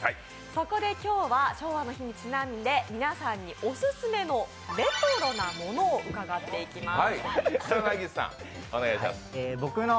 そこで今日は昭和の日にちなんで皆さんにオススメのレトロなものをうかがっていきます。